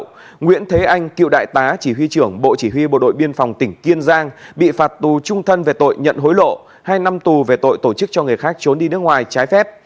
nguyễn thế anh cựu đại tá chỉ huy trưởng bộ chỉ huy bộ đội biên phòng tỉnh kiên giang bị phạt tù trung thân về tội nhận hối lộ hai năm tù về tội tổ chức cho người khác trốn đi nước ngoài trái phép